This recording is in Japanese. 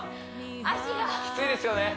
足がきついですよね